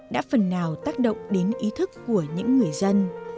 đã phần nào tác động đến ý thức của những người dân